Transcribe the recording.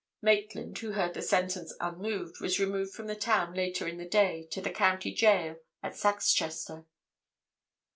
"Maitland, who heard the sentence unmoved, was removed from the town later in the day to the county jail at Saxchester."